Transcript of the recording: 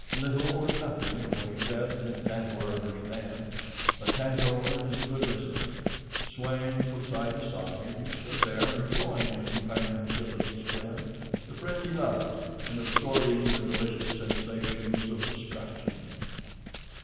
Little, or nothing, of what he said did Tantor understand; but Tantor is a good listener. Swaying from side to side he stood there enjoying the companionship of his friend, the friend he loved, and absorbing the delicious sensations of the scratching.